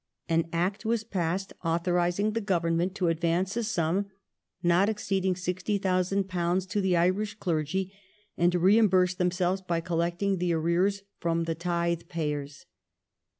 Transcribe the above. An Act was passed authorizing the Government to advance a sum not exceeding £60,000 to the Irish clergy, and to reimburse themselves by collect ing the arrears from the tithe payers.